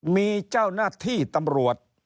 มีเจ้านาธิตำรวจ